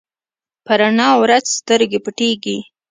په رڼا ورځ سترګې پټېږي.